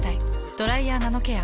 「ドライヤーナノケア」。